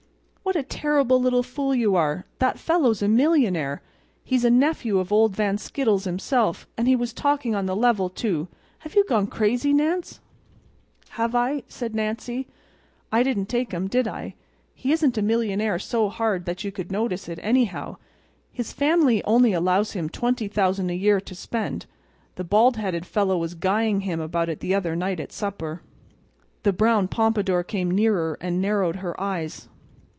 "What a terrible little fool you are! That fellow's a millionaire—he's a nephew of old Van Skittles himself. And he was talking on the level, too. Have you gone crazy, Nance?" "Have I?" said Nancy. "I didn't take him, did I? He isn't a millionaire so hard that you could notice it, anyhow. His family only allows him $20,000 a year to spend. The bald headed fellow was guying him about it the other night at supper." The brown pompadour came nearer and narrowed her eyes.